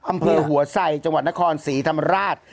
อำเภอหัวไสจังหวัดนครศรีธรรมราช